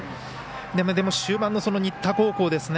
でも、終盤の新田高校ですね。